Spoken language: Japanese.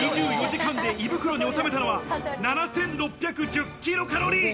２４時間で胃袋に収めたのは７６１０キロカロリー。